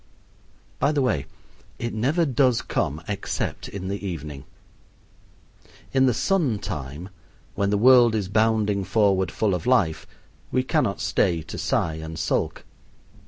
By the way, it never does come except in the evening. In the sun time, when the world is bounding forward full of life, we cannot stay to sigh and sulk.